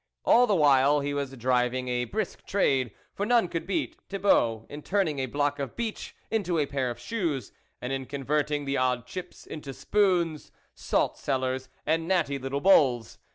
'" All the while he was driving a brisk trade, for none could beat Thibault in turning a block of beech into a pair of shoes, and in converting the odd chips into spoons, salt cellars and natty little bowls.